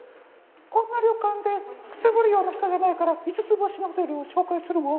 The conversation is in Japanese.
「こんな旅館でくすぶるような人じゃないから五つ星のホテルを紹介するわ」。